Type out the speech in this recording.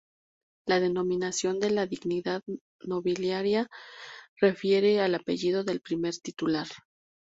La denominación de la dignidad nobiliaria refiere al apellido del primer titular.